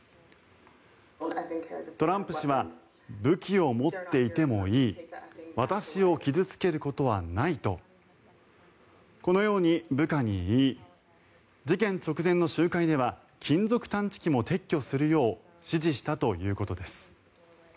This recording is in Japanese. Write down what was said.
トランプ氏は武器を持っていてもいい私を傷付けることはないとこのように部下に言い事件直前の集会では金属探知機も撤去するよう指示したということです。